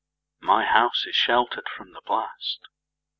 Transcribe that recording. My house is sheltered from the blast.